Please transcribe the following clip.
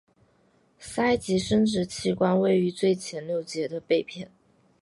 鳃及生殖器官位于最前六节的背片。